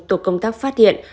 tục công tác phát hiện